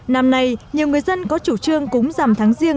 năm nay nhiều người dân có chủ trương cúng rằm tháng riêng